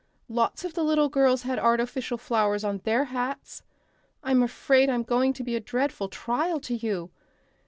Lots of the little girls had artificial flowers on their hats. I'm afraid I'm going to be a dreadful trial to you.